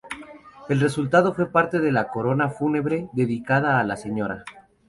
El resultado fue parte de la "Corona fúnebre dedicada a la Sra.